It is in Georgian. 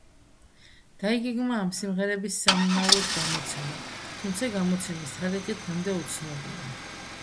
დაიგეგმა ამ სიმღერების სამომავლოდ გამოცემა, თუმცა გამოცემის თარიღი დღემდე უცნობია.